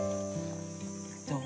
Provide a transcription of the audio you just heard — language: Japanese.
どう？